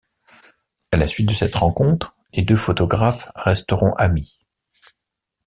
À la suite de cette rencontre, les deux photographes resteront amis.